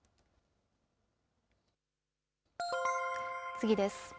次です。